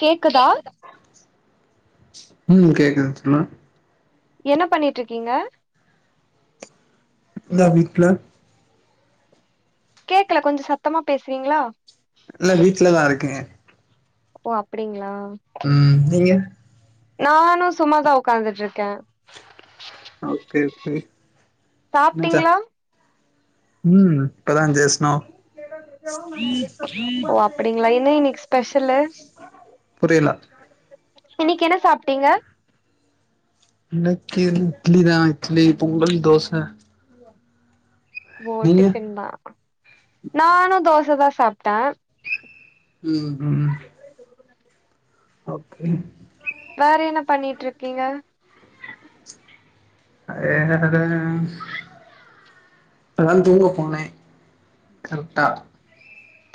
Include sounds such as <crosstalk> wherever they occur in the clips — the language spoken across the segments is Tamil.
கேக்குதா ம் கேக்குது சொல்லுங் என்ன பண்ணிட்டு இருக்கீங்க இந்தா வீக்ல கேக்கல கொஞ்ச சத்தமா பேசுவீங்களா இல்ல வீட்லதா இருக்கே ஓ அப்டிங்ளா ம் நீங்க நானு சுமாதா உக்காந்துட்டு இருக்கே ஓகே ஓகே <unintelligible> சாப்ட்டீங்களா உம் இப்பதா <unintelligible> <inaudible> ஓ அப் அப்டிங்ளா என்ன இன்னைக்கு ஸ்பெஷல்லு புரியல இன்னைக்கு என்ன சாப்ட்டீங்க இன்னைக்கி இட்லி தான் இட்லி பொங்கல் தோச நீங்க <unintelligible> நானு தோச தா சாப்ட்டே ம் ம் ஓகே வேற என்ன பண்ணிட்டு இருக்கீங்க ஏ அத <inaudible> இப்பதா தூங்க போனே கரெக்டா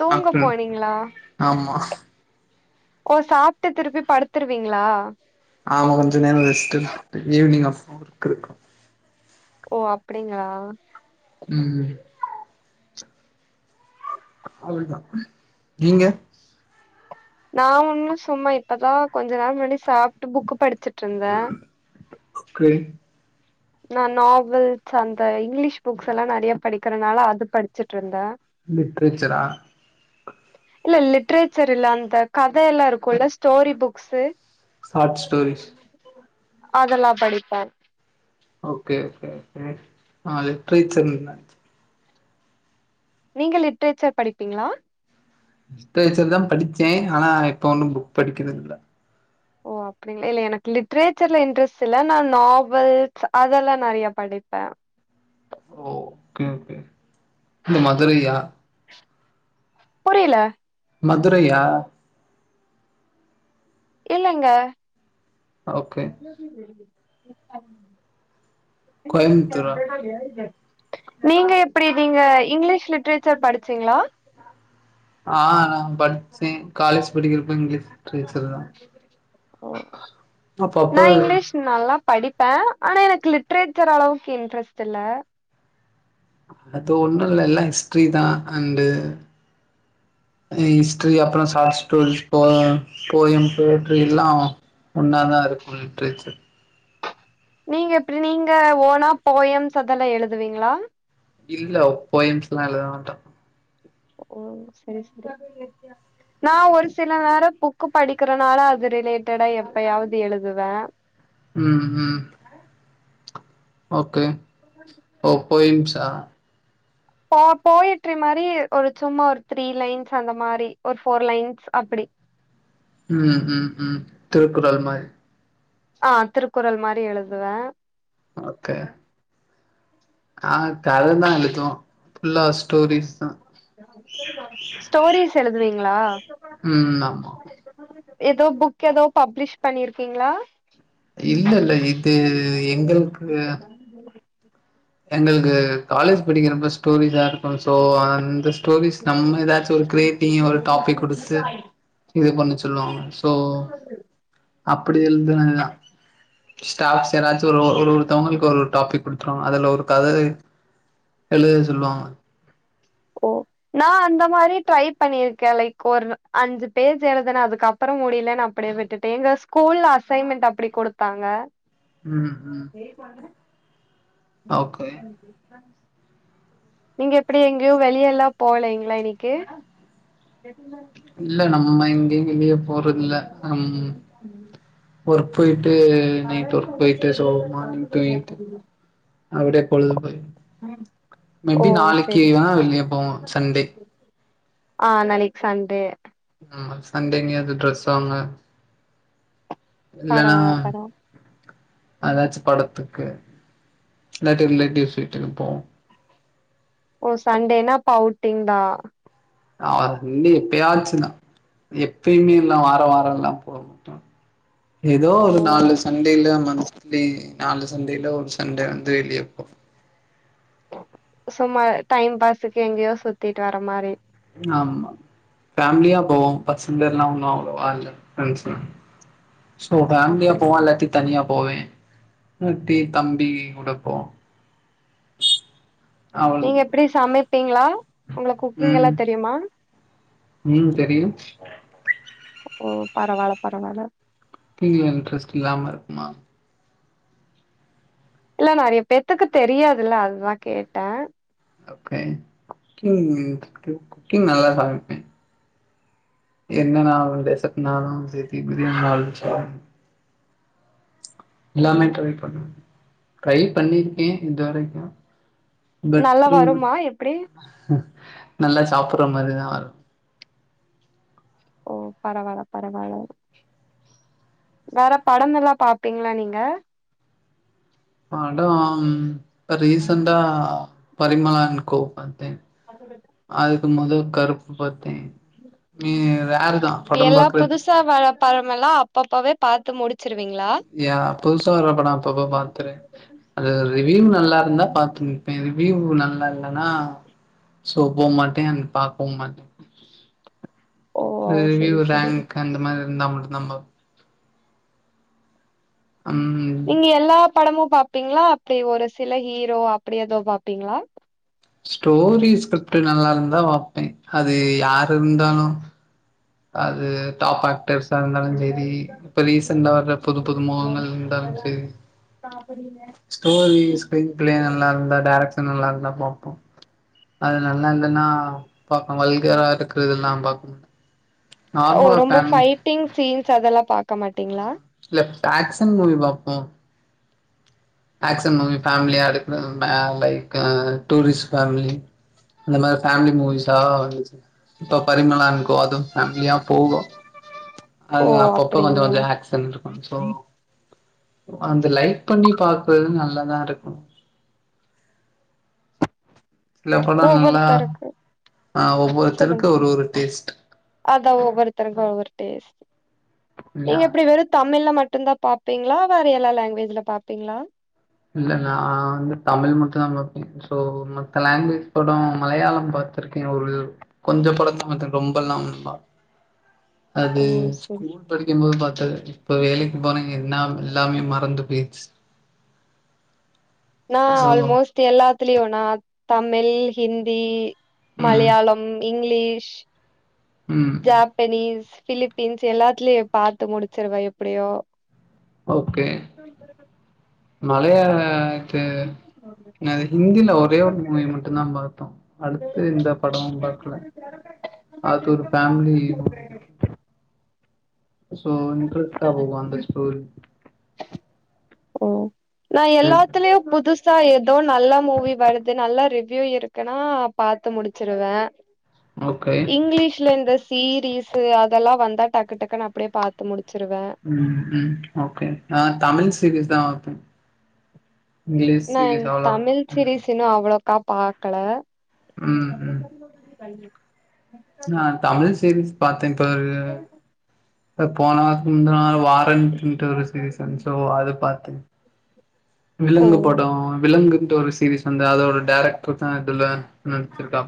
தூங்க ஆஃப்டர்நூன் போனீங்ளா ஆமா ஓ சாப்ட்டு திருப்பி படுத்துருவீங்ளா ஆமா கொஞ்ச நேரோ ரெஸ்ட் ஈவினிங் ஆஃப் ஒர்க் இருக்கு ஓ அப்டிங்ளா ம் அவ்ளதா நீங்க நா ஒண்ணு சும்மா இப்பதா கொஞ்ச நேரம் முன்னடி சாப்ட்டு புக் படிச்சுட்டு இருந்தே ஓகே நா நாவல்ஸ் அந்த இங்கிலீஷ் புக்ஸ் எல்லா நெறைய படிக்கறனால அது படிச்சுட்டு இருந்தே லிட்ரேச்சரா <inaudible> இல்ல லிட்ரேச்சர் இல்ல அந்த கத எல்லா இருக்குல்ல ஸ்டோரி புக்ஷ்சு ஷார்ட்ஸ் ஸ்டோரிஸ் அதெல்லா படிப்பே ஓகே ஓகே ஒகே நா லெட்ட்ரீச்சன்னே நீங்க லிட்ரேச்சர் படிப்பீங்களா லிட்ரேச்சர் தா படிச்சே ஆனா இப்ப ஒன்னு புக் படிக்கரது இல்ல ஓ அப் இல்ல இல்ல எனக்கு லிட்ரேச்சர்ல இன்ட்ரெஸ்ட் இல்ல நா நாவல்ஸ் அதெல்லா நெறையா படிப்பே ஓ ஓகே ஓகே இந்த மதுரையா புரியல மதுரையா இல்லங்க ஓகே கோயம்புத்தூரா <unintelligible> நீங்க எப்படி ரீங்க இங்லீஷ் லிட்ரேச்சர் படிச்சீங்ளா ஆ ரம் லிட்ரேச்சர் <inaudible> ஓ ஆ பப்பு இஸ் நல்லா படிப்பே ஆனா எனக் லிட்ரேச்சர் அளவுக் இன்ட்ரெஸ்ட் இல்ல அது ஒண்ணு இல்ல எல்லா ஹிஸ்ட்ரி தா அண்டு ஹிஸ்ட்ரி அப்பறோ ஷாட் ஸ்டோரிஸ் போ போயம் போட்ரி எல்லா ஆஆ ஒன்னாதா இருக்கு லிட்ரேச்சுர் நீங்க எப்டி நீங்க ஓனா போயம்ஸ் அதெல்லா எழுதுவீங்ளா இல்லாவ் போய்ம்ஸ்லா எழுத மாட்டா நா ஒரு சில நேர புக் க்கு படிக்கறனால அது ரிலேட்டடா எப்பயாவ்து எழுதுவே ம் ம் ஓகே ஓ போயிம்ஸா <inaudible> போ போயெட்றி மாரி ஒரு ச்சும்மா ஒர் த்ரீ லைன்ஸ் அந்த மாரி ஒர் ஃபோர் லைன்ஸ் அப்படி ம் ம் ம் திருக்குறள் மாரி ஆ திருக்குறள் மாரி எழுதுவே ஓகே ஆ கது தா எழுது புல்லா ஸ்டோரிஸ் தா ஸ்டோரிஸ் எழுதுவீங்ளா ம்ம் ஆமா எதோ புக் எதோ பப்ளிஷ் பண்ணீர்க்கிங்ளா இல்லல்ல இது எங்களுக்கு எங்கள்க்கு காலேஜ் படிக்கரப்ப ஸ்டோரிஸா ருக்கு சோ அந்த டோவிஸ் நம்ம ஏதாச்சு ஒரு க்ரேவ்ட்டி ஒரு டாபிக் குடுச்சு இது பண்ணு ச்சொல்லுவாங்க சோ அப்படி எழ்ந்துனதுதா ஸ்டாஃப்ஸ் ஏதாச்சுரோ ஒரு ஒருத்தவங்கள்க் ஒர்ரொர் டாப்பிக் குடுத்ருவாங்க அதல்ல ஓர் ப்பு கதயேத் எழுத சொல்வாங்க ஓ நா அந்த மாரி ட்ரை பண்ணிருக்கே லைக் கொர்னு அஞ்சு பேஜ் எழுதுன அதுக்கப் ப்பறோ முடிலேன் அப்படே விட்டுட்டேன் ங்க ஸ்கூல்ல அசைன்மென்ட் அப்டி கொடுத்தாங்க ம் ம் ஏ பான்டன ஓகே நீங்க எப்படி எங்யோ வெளியெல்லா போலேங்களா இன்னிக்கி எதுன்னய் இல்ல நம்ம இங்யு எங்கயு போறதுல அம் ஒர்க் போய்ட்டு நைட் ஒர்க் போய்ட்டு சோ மார்னிங் தூங்கிட்டு அவ்டே பொழுது போய் ஓ மெப்பி சரி நாளைக்கியா வெள் கேப்போ சண்டே ஆ நாளைக் சண்டே உம்ம சண்டேங்க அது ட்ரஸ் வாங்க இல்லனா பரவால்ல பரவால்ல அதாச்சு படத்துக்கு இல்லாட்டி ரிலேட்டிவ்ஸ் வீட்டுக்கு போவு ஓ சண்டேனா அப்ப அவுட்டிங் தா ஆ இன்னு எப்பயாச்சுதா எப்பயுமே எல்லா வார வாரல்லா போகு அ ஏதோ ஓ ஒரு நாலு சண்டையில மந்தத்லி நாலு சண்டையில ஒரு சண்டே வந்து வெளியப்போ சும்மா டைம் பாசுக்கு எங்கேயோ சுத்திட்டு வர மாரி ஆமா ஃபேமிலியா போவோ <unintelligible> எல்லா ஒன்னு அவ்ளோவா இல்ல ஃப்ரெண்ட்ஸ் எல்லா சோ ஃபேமிலியா அப்டி போவான் எல்லாத்தி தனியா போவே மூர்த்தி தம்பி கூட போ அவள் நீங்க எப்டி சமைப்பீங்களா உங்களுக்கு குக்கிங் எல்லா ம் தெரியுமா ம் தெரியும் ஓ பரவால்ல பரவால்ல <unintelligible> இன்ட்ரெஸ்ட் இல்லாம இருக்குமா இல்ல நெறைய பேத்துக்கு தெரியாதுல்ல அதுதா கேட்ட ஓகே குக்கிங் குக்கிங் நல்லா சமப்பே ஏன்னா நா வந்து சத்த நேரோ சேத்தி பிரியாணி <unintelligible> ஓ எல்லாமே ட்ரை பண்ணுவ ட்ரை பண்ணிருக்கே இதுவரைக்கு நல்லா பெட்டர்ன் வருமா எப்டி நல்ல சாப்புற்ற மாறி தா ஓ பரவால பரவால வேற படம் எல்லா பாப்பீங்களா நீங்க படம் இப்ப ரீசண்டா பரிமலா அன் கோ பாத்த பதினெட்டு அதுக்கு மொத கருப்பு பாத்தே மீதி ரேரு தா படம் பாக்றது த்தா வர படமெல்லா அப்பப்பவே பாத்து முடிச் ச்சுரிவீங்களா யா புதுசா வர படம் அப்பப்ப பாத்துறே அது ரிவியூ நல்லா இருந்தா பாத்துருவா ரிவ்யூ நல்லா இல்லன்னா சோ போமாட்டே அண்ட் பாக்கவு மாட்டே ஓ ரிவ்யூ செரி செரி ரேங்க் அந்த மாரி இருந்தா மட்டு தா பாப் ம் நீங்க எல்லா படமும் பாப்பீங்களா அப்டி ஒரு சில ஹீரோ அப்டி எதோ பாப்பீங்களா ஸ்டோரி ஸ்கிரிப்ட்டு நல்லா இருந்தா பாப்பே அது யாரு இருந்தாலு அது தாப்ப பெருசா இருந்தாலு செரி இப்ப ரீசன்டா வர புது புது முகங்கள் இருந்தாலு செரி ஸ்டோரி ஸ்கிரீன் பிளே நல்லா இருந்தா டைரக்ட்ஷன் நல்லா இருந்தா பாப்போ அது நல்லா இருந்தனா பாக்க வல்கரா இருக்கதல்லா பாக்கணு ஓ ரொம்ப பைட்டிங் சீன்ஸ் அதெல்லா பாக்க மாட்டீங்களா இல்ல ஆக்க்ஷன் மூவி பாப்பே ஆக்க்ஷன் மூவி ஃபேமிலிய <unintelligible> ஆ லைக் டூரிஸ்ட் ஃபேமிலி அந்த மாரி ஃபேமிலி மூவிஸா வந்துச்சு இப்ப பரிமளா அன் கோ அதுவு ஃபேமிலியா போகு ஓ அது அப்பப்ப கொஞ்ச அப்டிங்களா கொஞ்ச ஆக்கஷன் இருக்கு சோ அந்த லைக் பண்ணி பாக்றது நல்லதா இருக்கு சில படோ நல்லா ஒவ்வொருத்தருக்கு ஆ சொல்லுங்க ஒவ்வொருத்தருக்கு ஒரு சொல் ஒரு டேஸ்ட் அத ஒவ்வொருத்தருக்கும் ஒவ்வொரு டேஸ்ட் இல்லயா நீங்க இப்டி வெறும் தமிழ்ல மட்டு தா பாப்பீங்களா வேற எல்லா லாங்குவேஜ்ல பாப்பீங்களா இல்ல நா வந்து தமிழ் மட்டு அங்க <unintelligible> சோ மத்த லாங்குவேஜ் படோ மலையாளோ படம் பாத்திருக்கே ஒரு கொஞ்ச படந்தா பாத்ருக்கே ரொம்பல்லா ஒன்னு பாக் அது ஓ செரி ஸ்கூல் படிக்கும் போது பாத்த து இப்ப வேலைக்கு போனா என்ன எல்லாமே மறந்து போயிர்ச்சி நா சோ ஆல்மோஸ்ட் எல்லாத்திலயு நா தமிழ் ஹிந்தி ம் மலையாளம் இங்கிலீஷ் ம் ஜாப்பனீஸ் பிலிப்பீன்ஸ் எல்லாத்திலயே பாத்து முடிச்சிருவா எப்டியு ஓகே மலையாள ஆக்டர் நா ஹிந்தில ஒரே ஒரு மூவி மட்டு தா பாத்தோ அடுத்து எந்த படமு பாக்கல அது ஒரு பேமிலி இது சோ இன்ட்ரெஸ்ட்டா போகு அந்த ஸ்டோரி ஓ நா எல்லாத்துலயு புதுஸ் ஸா ஏதோ நல்லா மூவி வருது நல்லா ரிவ்யூ இருக்குன்னா பாத்து முடிச்சிருவே ஓகே இங்கிலிஷ்ல இந்த சீரீயஸ்ஸு அதெல்லா வந்தா டக்கு டக்கு அப்டியே பாத்து முடிச்சிருவே ம் ம் ஓகே நா தமிழ் சீரீயல் தா இங்கிலிஷ் நா சீரிஸ் அவ்லா <unintelligible> தமிழ் சீரீஸ் இன்னு அவ்ளோக்கா பாக்கல ம் ம் <unintelligible> நா தமிழ் சீரிஸ் பாத்தே இப்ப ஒரு போன வாரத்துக்கு முந்தின வாரோ வாரண்ட்டுட்டு ஒரு சீரிஸ் இருந்துச்சு சோ அது பாத்தே <unintelligible> ஓ விலங்கு படம் விலங்கு டோரிஸ் சீரீஸ் வந்து அதோட டேரக்டர் தா இதுல நடிச்சிருக்கா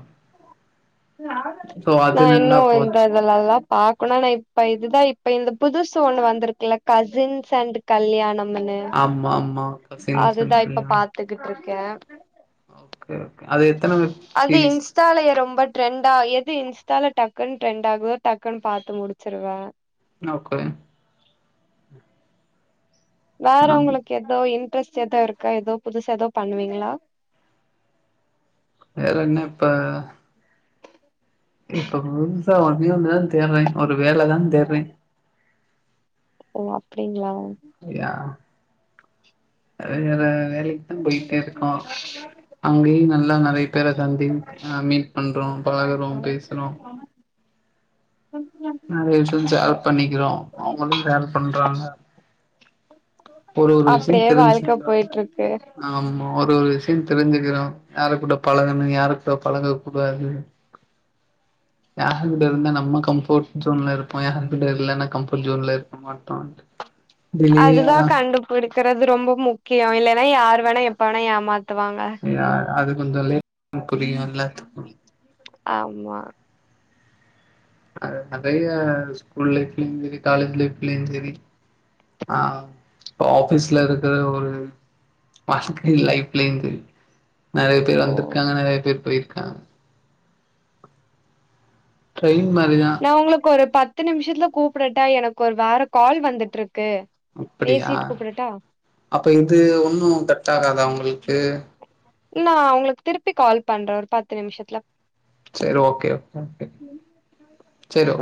சோ அது நா இன்னு நல்லா இந்த போச்சு இதலல்லா பாக்கணு இப்ப இதுதா இப்ப இந்த புதுசு ஒண்ணு வந்திருக்குல கசின்ஸ் அண்ட் கல்யாணம்ன்னு அம்மா அம்மா கசின் அண்ட் <unintelligible> கத்துகிட்டு இருக்கே ஓகே ஓகே அது எத்தன வெப் சீரீஸ் இன்ஸ்டால ரொம்ப டிட்ரெண்ட எது இன்ஸ்டால டக்குன்னு டிரரெண்ட் ஆகுதோ டக்குன்னு பாத்து முடிச்சிருவே ஓகே வேற நம் உங்களுக்கு ஏதோ இன்ட்ரெஸ்ட் ஏதோ இருக்கா ஏதோ புதுசா ஏதோ பண்ணுவீங்களா வேறென்ன இப்ப இப்ப புதுசா வண்டி ஒன்னு தா தேட்றே ஒரு வேலதா தேட்றே ஓ அப்டிங்ளா யார் <unintelligible> வந்து போயிட்டே இருக்கோ அங்கியு நல்லா நறையா பேர சந்தி ஐ மீன் பண்றோ பழகுறோ பேசறோ பப்பா நறைய விஷயோ வந்து சேர் பண்ணிக்றோ அவங்களு சேர் பண்றாங்க ஒரு ஒரு விஷயோ அப்டியே வாழ்க்க தெரிஞ்சுக்கிறோ போயிட்டு இருக்கு ஆமா ஒரு ஒரு விஷயோ தெரிஞ்சிக்கிறோ யாரு கூட பழகனு யாரு கூட பழக கூடாது <unintelligible> யாருகிட்ட இருந்தா நம்ம கம்பர்ட் ஜோன்ல இருப்போ யாருகிட்ட இல்லன்னா கஃபர்ட் ஜோன்ல இருக் மாட்டோ டிலேயாதா விடுக்கறது ரொம்ப முக்கியோ இல்லன்னா யார் வேணா எப்ப வேணா ஏமாத் யா அது கொஞ்சொ லேட்டா புரியு எல்லாத்துக் ஆமா நறைய ஸ்கூல் லைஃப்லயு சரி காலேஜ் லைஃப்லயு சரி அ ஆஃபீஸ்ல இருக்கிற ஒரு பர்ஸ்னல் லைஃப்லேந்து நறைய பேர் ஓ வந்திருக்காங்க நறைய பேர் போயிருக்கா ட்ரைன் மார் நா உங்களுக்கு ஒரு பத்து நிமிஷத்துல கூப்படட்டா எனக்கு ஒரு வேற கால் வந்துட்ருக்கு அப்டியா அப்ப இது ஒன்னு கட் ஆகாதா உங் இல்ல நா உங்களுக்கு திருப்பி கால் பண்றே ஒரு பத்து நிம்ஷத்துல செரி ஓகே <unintelligible> செரி